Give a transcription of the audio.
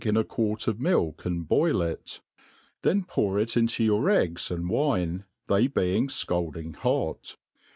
i6f sn a quart of milk and boil it ; then pour it into your eggs and wine, they being fcalding hot.